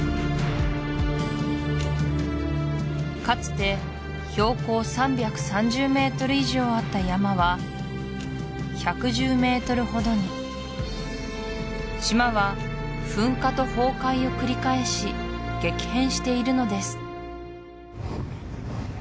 かつて標高３３０ｍ以上あった山は１１０ｍほどに島は噴火と崩壊を繰り返し激変しているのです